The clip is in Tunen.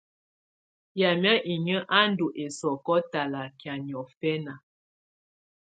Yamɛ̀á inyǝ́ á ndù ɛsɔ̀kɔ̀ talakɛ̀á niɔ̀fɛ̀na.